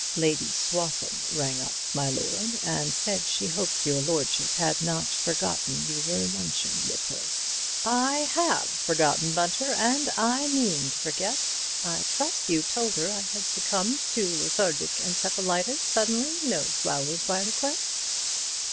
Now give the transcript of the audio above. "Lady Swaffham rang up, my lord, and said she hoped your lordship had not forgotten you were lunching with her." "I have forgotten, Bunter, and I mean to forget. I trust you told her I had succumbed to lethargic encephalitis suddenly, no flowers by request."